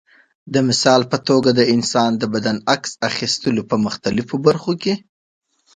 د مثال په توګه د انسان د بدن عکس اخیستلو په مختلفو برخو کې.